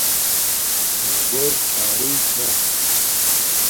میے گھور چھاروݵ چھا